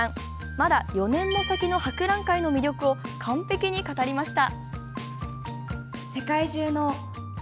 まだ４年も先の博覧会の魅力を完璧に語りました。